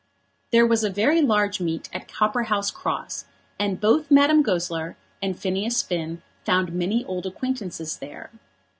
There was a very large meet at Copperhouse Cross, and both Madame Goesler and Phineas Finn found many old acquaintances there.